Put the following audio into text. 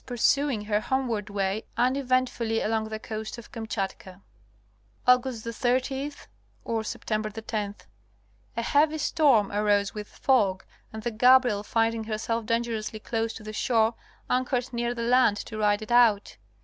pursuing her homeward way uneventfully along the coast of | Kamchatka.) Fear A heavy storm arose with fog and the Gabriel finding herself dangerously close to the shore anchored near the land to ride it out.